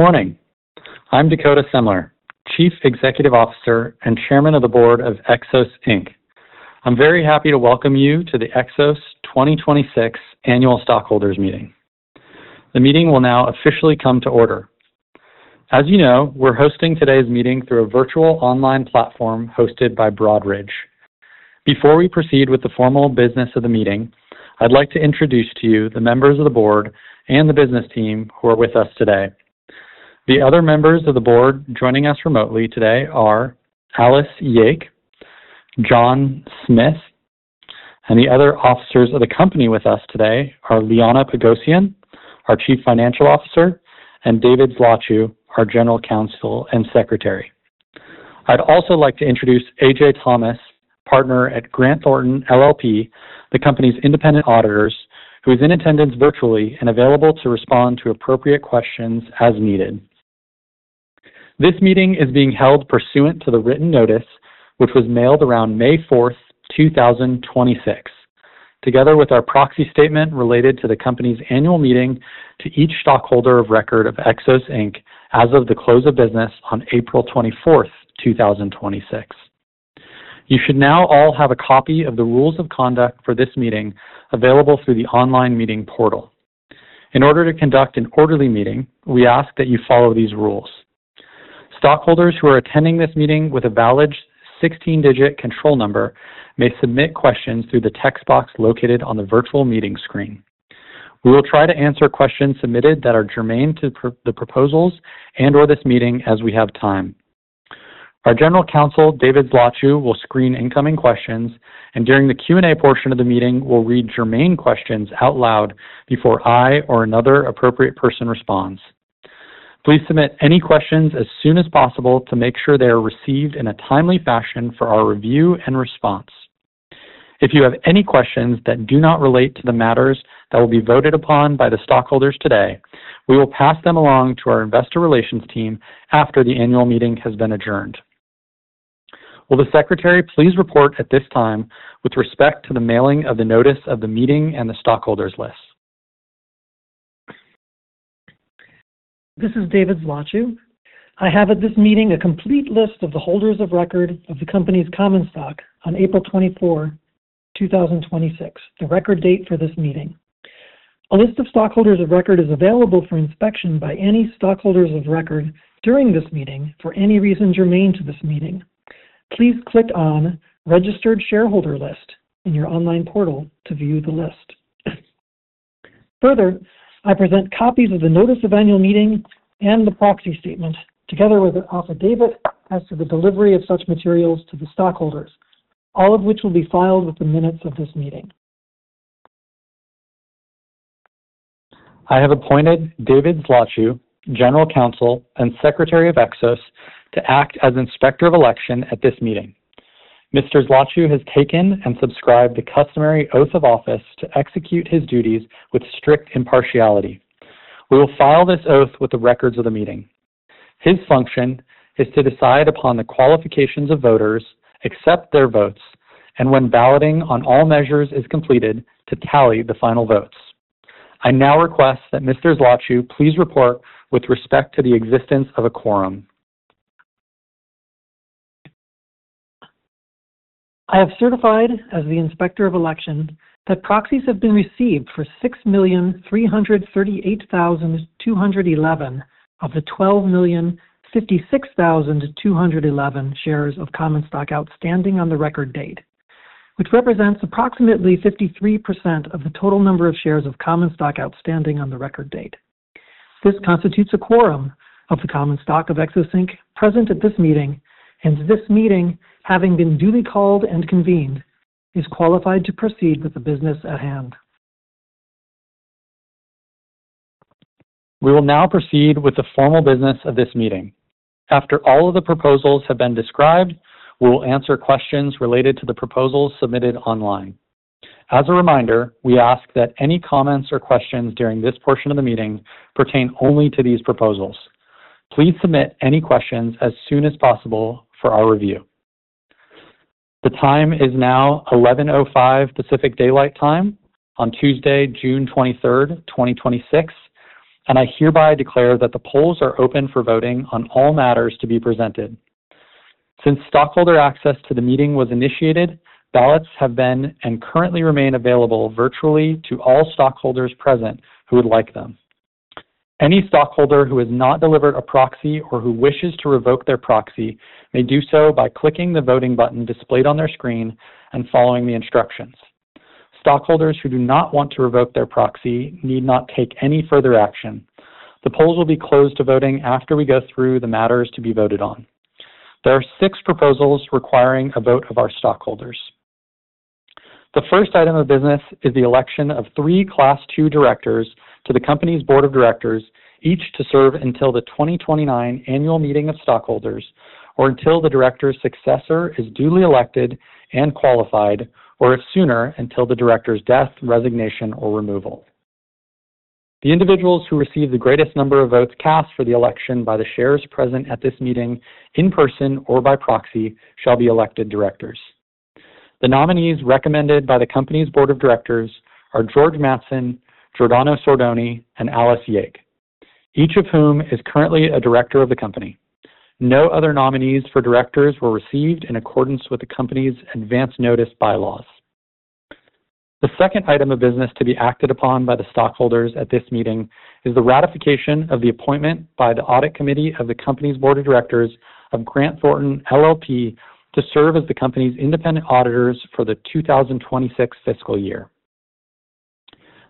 Morning. I'm Dakota Semler, Chief Executive Officer and Chairman of the Board of Xos, Inc. I'm very happy to welcome you to the Xos 2026 annual stockholders meeting. The meeting will now officially come to order. As you know, we're hosting today's meeting through a virtual online platform hosted by Broadridge. Before we proceed with the formal business of the meeting, I'd like to introduce to you the members of the board and the business team who are with us today. The other members of the board joining us remotely today are Alice Yake, John Smith. The other officers of the company with us today are Liana Pogosyan, our Chief Financial Officer, and David Zlotchew, our General Counsel and Secretary. I'd also like to introduce Ajay Thomas, Partner at Grant Thornton LLP, the company's independent auditors, who is in attendance virtually and available to respond to appropriate questions as needed. This meeting is being held pursuant to the written notice, which was mailed around May 4th, 2026, together with our proxy statement related to the company's annual meeting to each stockholder of record of Xos, Inc, as of the close of business on April 24th, 2026. You should now all have a copy of the rules of conduct for this meeting available through the online meeting portal. In order to conduct an orderly meeting, we ask that you follow these rules. Stockholders who are attending this meeting with a valid 16-digit control number may submit questions through the text box located on the virtual meeting screen. We will try to answer questions submitted that are germane to the proposals and/or this meeting as we have time. Our General Counsel, David Zlotchew, will screen incoming questions, and during the Q&A portion of the meeting, will read germane questions out loud before I or another appropriate person responds. Please submit any questions as soon as possible to make sure they are received in a timely fashion for our review and response. If you have any questions that do not relate to the matters that will be voted upon by the stockholders today, we will pass them along to our investor relations team after the annual meeting has been adjourned. Will the Secretary please report at this time with respect to the mailing of the notice of the meeting and the stockholders' list? This is David Zlotchew. I have at this meeting a complete list of the holders of record of the company's common stock on April 24, 2026, the record date for this meeting. A list of stockholders of record is available for inspection by any stockholders of record during this meeting for any reason germane to this meeting. Please click on Registered Shareholder List in your online portal to view the list. Further, I present copies of the notice of annual meeting and the proxy statement, together with an affidavit as to the delivery of such materials to the stockholders, all of which will be filed with the minutes of this meeting. I have appointed David Zlotchew, General Counsel and Secretary of Xos, to act as Inspector of Election at this meeting. Mr. Zlotchew has taken and subscribed the customary oath of office to execute his duties with strict impartiality. We will file this oath with the records of the meeting. His function is to decide upon the qualifications of voters, accept their votes, and when balloting on all measures is completed, to tally the final votes. I now request that Mr. Zlotchew please report with respect to the existence of a quorum. I have certified as the Inspector of Election that proxies have been received for 6,338,211 of the 12,056,211 shares of common stock outstanding on the record date, which represents approximately 53% of the total number of shares of common stock outstanding on the record date. This constitutes a quorum of the common stock of Xos, Inc present at this meeting, and this meeting, having been duly called and convened, is qualified to proceed with the business at hand. We will now proceed with the formal business of this meeting. After all of the proposals have been described, we will answer questions related to the proposals submitted online. As a reminder, we ask that any comments or questions during this portion of the meeting pertain only to these proposals. Please submit any questions as soon as possible for our review. The time is now 11:05AM Pacific Daylight Time on Tuesday, June 23rd, 2026, and I hereby declare that the polls are open for voting on all matters to be presented. Since stockholder access to the meeting was initiated, ballots have been and currently remain available virtually to all stockholders present who would like them. Any stockholder who has not delivered a proxy or who wishes to revoke their proxy may do so by clicking the voting button displayed on their screen and following the instructions. Stockholders who do not want to revoke their proxy need not take any further action. The polls will be closed to voting after we go through the matters to be voted on. There are six proposals requiring a vote of our stockholders. The first item of business is the election of three Class II directors to the company's Board of Directors, each to serve until the 2029 annual meeting of stockholders, or until the director's successor is duly elected and qualified, or if sooner, until the director's death, resignation, or removal. The individuals who receive the greatest number of votes cast for the election by the shares present at this meeting in person or by proxy shall be elected directors. The nominees recommended by the company's Board of Directors are George Mattson, Giordano Sordoni, and Alice Yake, each of whom is currently a director of the company. No other nominees for directors were received in accordance with the company's advanced notice bylaws. The second item of business to be acted upon by the stockholders at this meeting is the ratification of the appointment by the audit committee of the company's board of directors of Grant Thornton LLP to serve as the company's independent auditors for the 2026 fiscal year.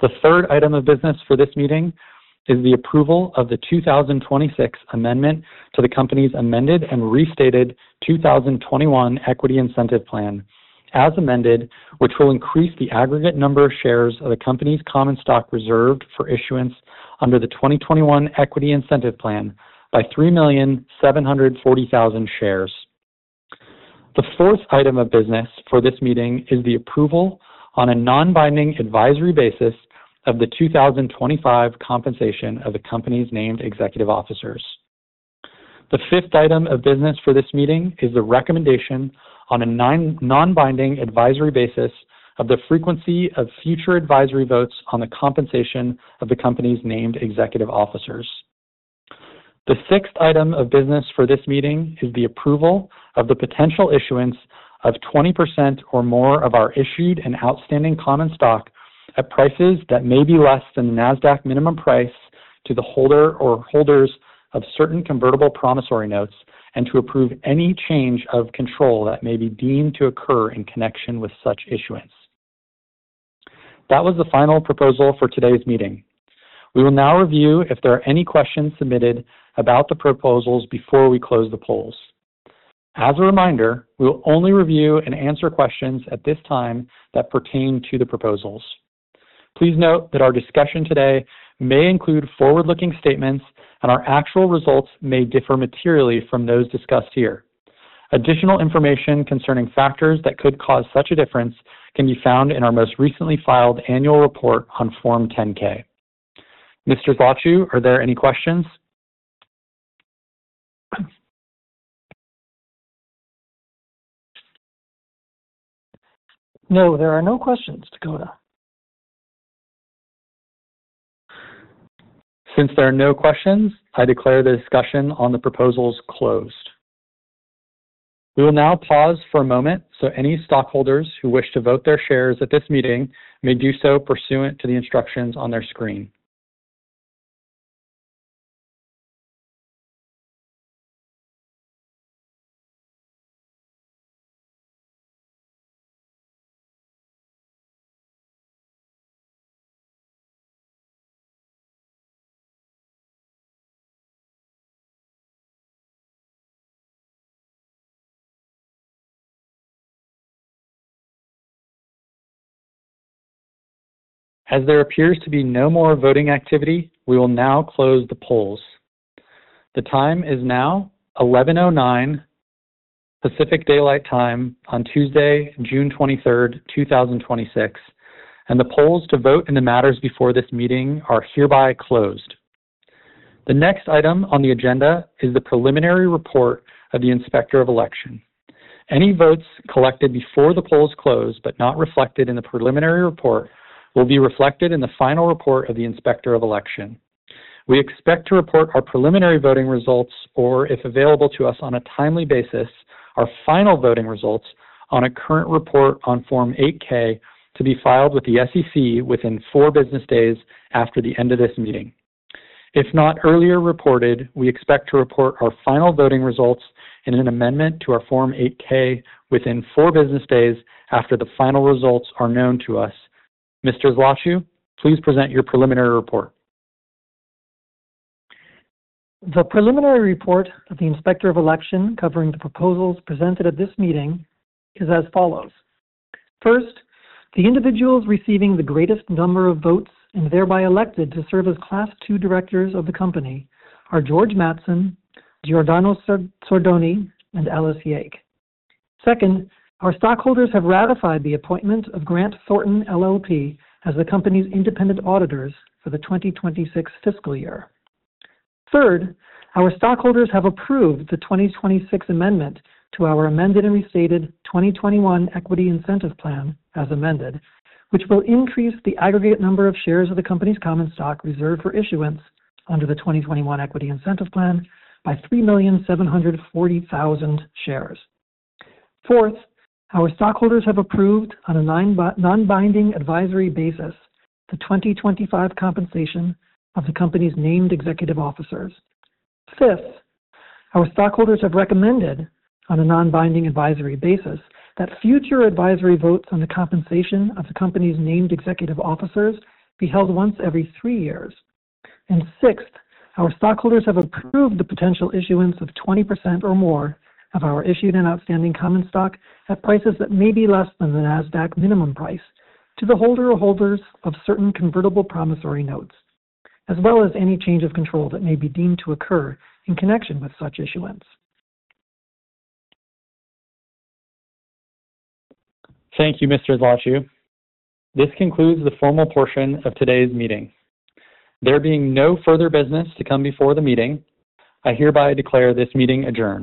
The third item of business for this meeting is the approval of the 2026 amendment to the company's Amended and Restated 2021 Equity Incentive Plan, as amended, which will increase the aggregate number of shares of the company's common stock reserved for issuance under the 2021 Equity Incentive Plan by 3,740,000 shares. The fourth item of business for this meeting is the approval on a non-binding advisory basis of the 2025 compensation of the company's named executive officers. The fifth item of business for this meeting is the recommendation on a non-binding advisory basis of the frequency of future advisory votes on the compensation of the company's named executive officers. The sixth item of business for this meeting is the approval of the potential issuance of 20% or more of our issued and outstanding common stock at prices that may be less than the NASDAQ minimum price to the holder or holders of certain convertible promissory notes and to approve any change of control that may be deemed to occur in connection with such issuance. That was the final proposal for today's meeting. We will now review if there are any questions submitted about the proposals before we close the polls. As a reminder, we will only review and answer questions at this time that pertain to the proposals. Please note that our discussion today may include forward-looking statements, and our actual results may differ materially from those discussed here. Additional information concerning factors that could cause such a difference can be found in our most recently filed annual report on Form 10-K. Mr. Zlotchew, are there any questions? No, there are no questions, Dakota. Since there are no questions, I declare the discussion on the proposals closed. We will now pause for a moment so any stockholders who wish to vote their shares at this meeting may do so pursuant to the instructions on their screen. As there appears to be no more voting activity, we will now close the polls. The time is now 11:09AM Pacific Daylight Time on Tuesday, June 23rd, 2026, and the polls to vote in the matters before this meeting are hereby closed. The next item on the agenda is the preliminary report of the Inspector of Election. Any votes collected before the polls close but not reflected in the preliminary report will be reflected in the final report of the Inspector of Election. We expect to report our preliminary voting results, or, if available to us on a timely basis, our final voting results on a current report on Form 8-K to be filed with the SEC within four business days after the end of this meeting. If not earlier reported, we expect to report our final voting results in an amendment to our Form 8-K within four business days after the final results are known to us. Mr. Zlotchew, please present your preliminary report. The preliminary report of the Inspector of Election covering the proposals presented at this meeting is as follows. First, the individuals receiving the greatest number of votes and thereby elected to serve as Class II directors of the company are George Mattson, Giordano Sordoni, and Alice Yake. Second, our stockholders have ratified the appointment of Grant Thornton LLP as the company's independent auditors for the 2026 fiscal year. Third, our stockholders have approved the 2026 amendment to our Amended and Restated 2021 Equity Incentive Plan, as amended, which will increase the aggregate number of shares of the company's common stock reserved for issuance under the 2021 Equity Incentive Plan by 3,740,000 shares. Fourth, our stockholders have approved on a non-binding advisory basis the 2025 compensation of the company's named executive officers. Fifth, our stockholders have recommended on a non-binding advisory basis that future advisory votes on the compensation of the company's named executive officers be held once every three years. Sixth, our stockholders have approved the potential issuance of 20% or more of our issued and outstanding common stock at prices that may be less than the NASDAQ minimum price to the holder or holders of certain convertible promissory notes, as well as any change of control that may be deemed to occur in connection with such issuance. Thank you, Mr. Zlotchew. This concludes the formal portion of today's meeting. There being no further business to come before the meeting, I hereby declare this meeting adjourned.